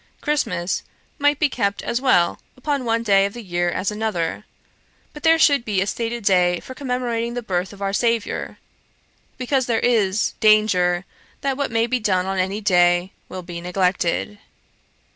Christmas might be kept as well upon one day of the year as another; but there should be a stated day for commemorating the birth of our Saviour, because there is danger that what may be done on any day, will be neglected.'